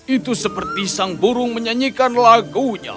itu seperti sang burung menyanyikan lagunya